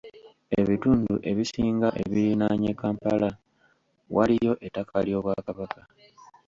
Ebitundu ebisinga ebirinaanye Kampala waliyo ettaka ly'Obwakabaka.